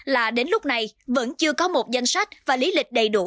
là đến lúc này vẫn chưa có một danh sách và lý lịch đầy đủ